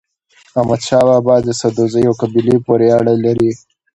احمد شاه بابا د سدوزيو قبيلې پورې اړه لري.